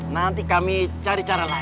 nanti kami cari cara lain